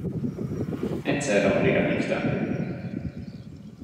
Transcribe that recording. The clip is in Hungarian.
Egyszer randira hívta.